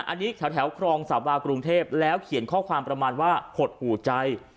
อันนี้แถวครองสาบากรุงเทพแล้วเขียนข้อความประมาณว่าหดหูใจ